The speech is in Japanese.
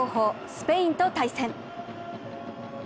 スペインと対戦。